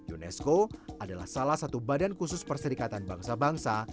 unesco adalah salah satu badan khusus perserikatan bangsa bangsa